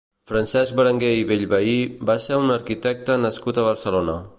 Francesc Berenguer i Bellvehí va ser un arquitecte nascut a Barcelona.